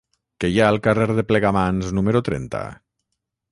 Què hi ha al carrer de Plegamans número trenta?